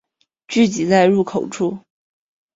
聚集在入口处